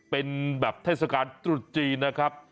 เป็นแบบเทศกาลตรุษจีนนะครับ